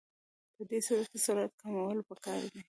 په دې صورت کې سرعت کمول پکار دي